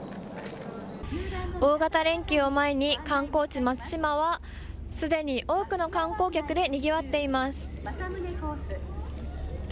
大型連休を前に観光地、松島はすでに多くの観光客でにぎわっています。